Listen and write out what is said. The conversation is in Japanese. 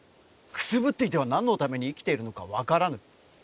くすぶっていてはなんのために生きているのかわからぬ。